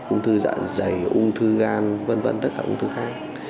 ung thư dạ dày ung thư gan v v tất cả ung thư khác